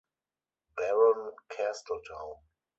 Baron Castletown.